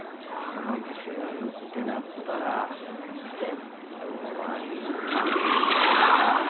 この店売るってなったら全部終わりかああ